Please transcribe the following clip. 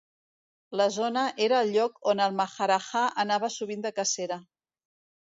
La zona era el lloc on el maharajà anava sovint de cacera.